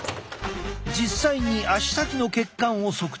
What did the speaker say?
実際に足先の血管を測定。